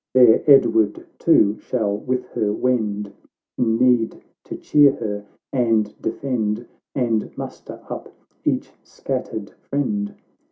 There, Edward, too, shall with her wend, In need to cheer her and defend, And muster up each scattered friend."